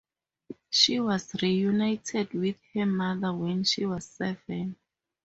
She was reunited with her mother when she was seven.